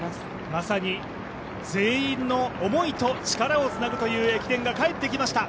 まさに、全員の思いと力をつなぐという駅伝が帰ってきました。